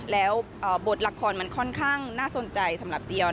แล้วบทละครมันค่อนข้างน่าสนใจสำหรับเจียอน